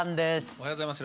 おはようございます。